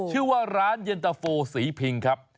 ชื่อว่าร้านเย็นตะโฟสีพิงครับ